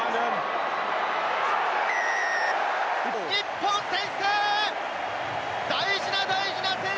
日本、先制！